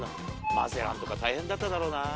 マゼランとか大変だっただろうなぁ。